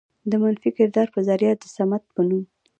د منفي کردار په ذريعه د صمد په نوم